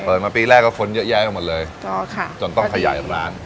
เปิดมาปีแรกก็ฝนเยอะแยะกันหมดเลยอ๋อค่ะจนต้องขยายร้านใช่